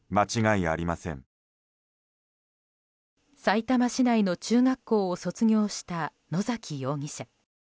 さいたま市内の中学校を卒業した野崎容疑者。